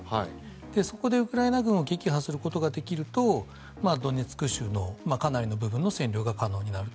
そこでウクライナ軍を撃破できるとドネツク州のかなりの部分の占領が可能になると。